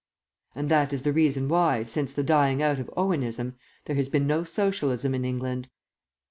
And that is the reason why, since the dying out of Owenism, there has been no Socialism in England.